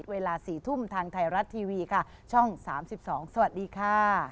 เวลา๔ทุ่มทางไทยรัฐทีวีค่ะช่อง๓๒สวัสดีค่ะ